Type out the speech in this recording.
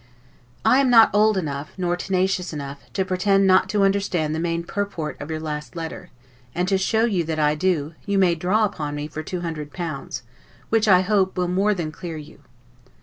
I am not old enough, nor tenacious enough, to pretend not to understand the main purport of your last letter; and to show you that I do, you may draw upon me for two hundred pounds, which, I hope, will more than clear you.